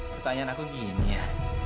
pertanyaan aku gini ya